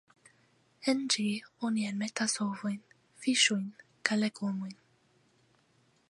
En ĝi oni enmetas ovojn, fiŝojn kaj legomojn.